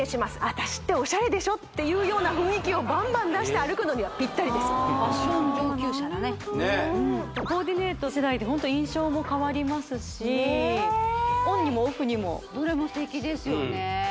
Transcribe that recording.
私ってオシャレでしょっていうような雰囲気をバンバン出して歩くのにはぴったりですファッション上級者だねコーディネート次第で印象も変わりますしオンにもオフにもどれもすてきですよね